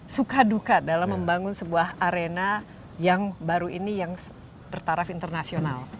suka duka dalam membangun sebuah arena yang baru ini yang bertaraf internasional